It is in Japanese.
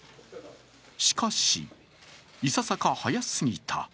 しかし、いささか早すぎた。